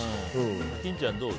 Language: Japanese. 金ちゃん、どう？